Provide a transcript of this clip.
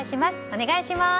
お願いします。